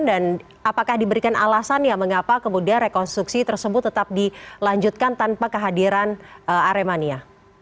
dan apakah diberikan alasan ya mengapa kemudian rekonstruksi tersebut tetap dilanjutkan tanpa kehadiran aremania